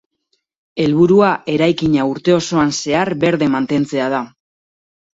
Helburua eraikina urte osoan zehar berde mantentzea da.